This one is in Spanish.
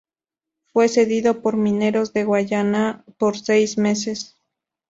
Fue cedido por Mineros de Guayana por seis meses.